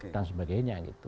dan sebagainya gitu